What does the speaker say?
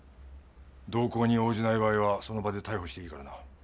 同行に応じない場合はその場で逮捕していいからな。